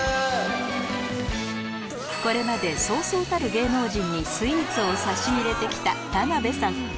これまでそうそうたる芸能人にスイーツを差し入れて来た田辺さん